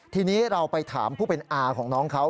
ทีนี้เราไปถามผู้เป็นอาของน้องเขา